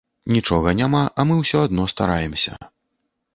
Нічога няма, а мы ўсё адно стараемся.